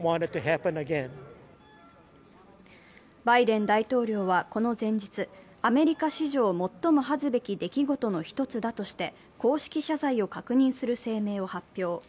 バイデン大統領は、この前日、アメリカ史上最も恥ずべき出来事の一つだとして、公式謝罪を確認する声明を発表。